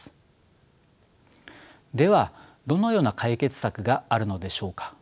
ではどのような解決策があるのでしょうか。